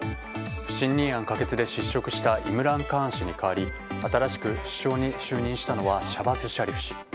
不信任案可決で失職したイムラン・カーン氏に代わり新しく首相に就任したのはシャバズ・シャリフ氏。